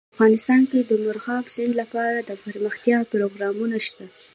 افغانستان کې د مورغاب سیند لپاره دپرمختیا پروګرامونه شته.